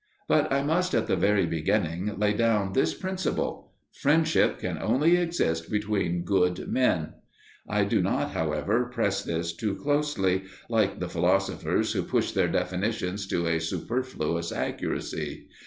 But I must at the very beginning lay down this principle friendship can only exist between good men. I do not, however, press this too closely, like the philosophers who push their definitions to a superfluous accuracy.